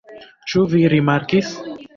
Ĉu vi rimarkis?